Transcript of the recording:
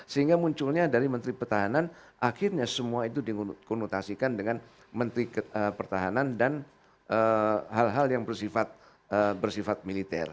sehingga munculnya dari menteri pertahanan akhirnya semua itu dikonotasikan dengan menteri pertahanan dan hal hal yang bersifat militer